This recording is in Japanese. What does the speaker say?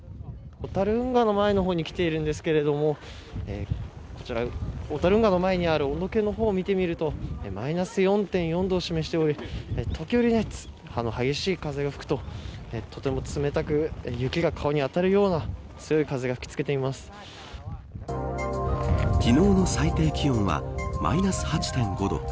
小樽運河の前に来ているんですけど小樽運河の前にある温度計を見てみるとマイナス４．４度を示しており時折、激しい風が吹くととても冷たく雪が顔に当たるような昨日の最低気温はマイナス８．５度。